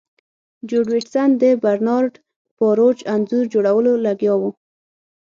جو ډیویډ سن د برنارډ باروچ انځور جوړولو لګیا و